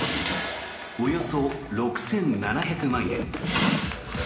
およそ６７００万円。